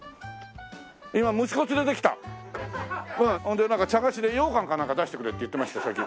でなんか茶菓子でようかんかなんか出してくれって言ってましたさっき。